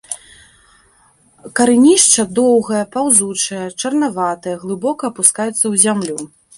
Карэнішча доўгае, паўзучае, чарнаватае, глыбока апускаецца ў зямлю.